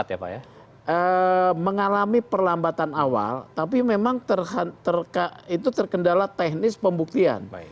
tidak mengalami perlambatan awal tapi memang terkendala teknis pembuktian